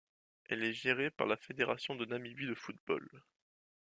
Elle est gérée par la Fédération de Namibie de football.